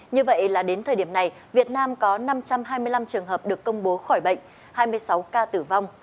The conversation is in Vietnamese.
như vậy là đến thời điểm này việt nam có năm trăm hai mươi năm trường hợp được công bố khỏi bệnh hai mươi sáu ca tử vong